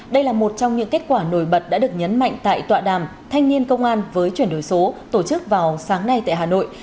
đây là một trong những kết quả nổi bật đã được nhấn mạnh tại tọa đàm thanh niên công an với chuyển đổi số tổ chức vào sáng nay tại hà nội